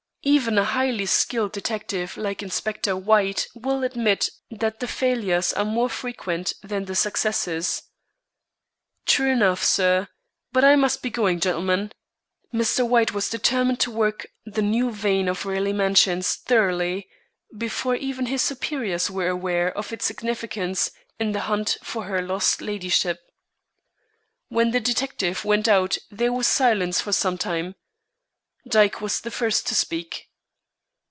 Even a highly skilled detective like Inspector White will admit that the failures are more frequent than the successes." "True enough, sir. But I must be going, gentlemen." Mr. White was determined to work the new vein of Raleigh Mansions thoroughly before even his superiors were aware of its significance in the hunt for her lost ladyship. When the detective went out there was silence for some time. Dyke was the first to speak.